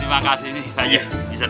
terima kasih nih pak gia bisa dateng